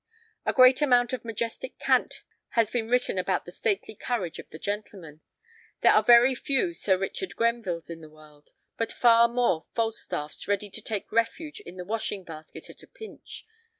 A great amount of majestic cant has been written about the stately courage of the Gentleman. There are very few Sir Richard Grenvilles in the world, but far more Falstaffs ready to take refuge in the washing basket at a pinch.